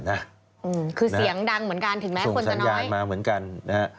คือเสียงดังเหมือนกันถึงแม้คนจะน้อยส่งสัญญาณมาเหมือนกัน